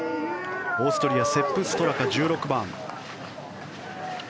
オーストリア、セップ・ストラカ１６番。